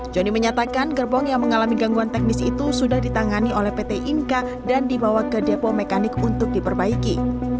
joni menyatakan gerbong yang mengalami gangguan teknis itu sudah ditangani oleh pt inka dan dibawa ke depo mekanik untuk diperbaiki